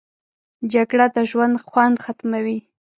جګړه د ژوند خوند ختموي